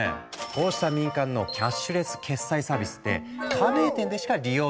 こうした民間のキャッシュレス決済サービスって加盟店でしか利用できない。